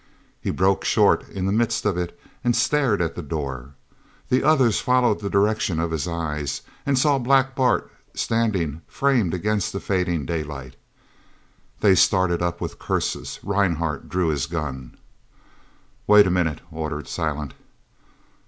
He broke short in the midst of it and stared at the door. The others followed the direction of his eyes and saw Black Bart standing framed against the fading daylight. They started up with curses; Rhinehart drew his gun. "Wait a minute," ordered Silent.